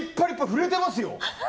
振れてますよ。